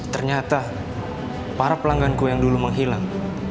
ternyata para pelanggan kue yang dulu menghilang